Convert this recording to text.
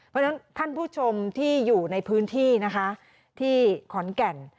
เพราะฉะนั้นท่านผู้ชมที่อยู่ในพื้นที่นะคะที่ขอนแก่น